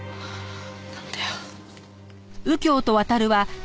なんだよ。